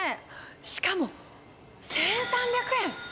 しかも、１３００円。